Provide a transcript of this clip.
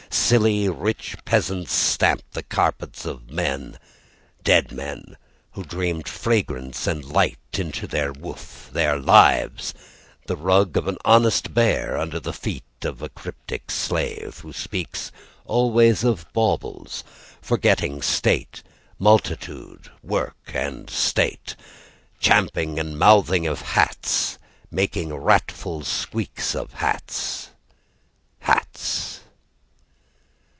Silly rich peasants stamp the carpets of men, Dead men who dreamed fragrance and light Into their woof, their lives; The rug of an honest bear Under the feet of a cryptic slave Who speaks always of baubles, Forgetting state, multitude, work, and state, Champing and mouthing of hats, Making ratful squeak of hats, Hats.